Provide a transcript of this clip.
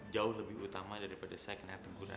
jauh lebih utama daripada saya kena teguran